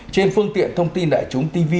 trên phương tiện thông tin đại chúng tv